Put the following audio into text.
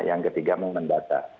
yang ketiga mengendata